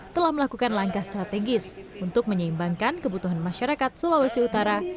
telah melakukan langkah strategis untuk menyeimbangkan kebutuhan masyarakat sulawesi utara